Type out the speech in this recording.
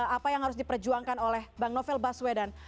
apa yang harus diperjuangkan oleh bang novel baswedan